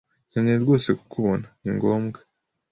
Nkeneye rwose kukubona. Ni ngombwa.